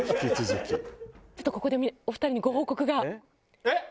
ちょっとここでお二人にご報告がありまして。